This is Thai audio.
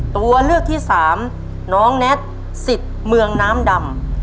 ตัวเลือกที่สามน้องแน็ตสิทธิ์เมืองน้ำดำ